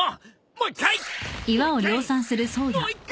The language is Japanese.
もう一回！